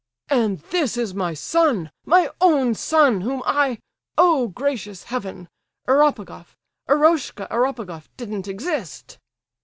"And this is my son—my own son—whom I—oh, gracious Heaven! Eropegoff—Eroshka Eropegoff didn't exist!"